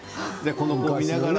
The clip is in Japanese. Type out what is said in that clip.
この子を見ながら？